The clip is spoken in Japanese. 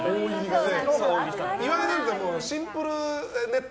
岩井なんかシンプルネット